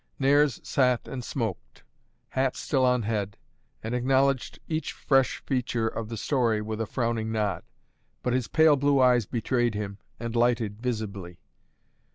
Nares sat and smoked, hat still on head, and acknowledged each fresh feature of the story with a frowning nod. But his pale blue eyes betrayed him, and lighted visibly.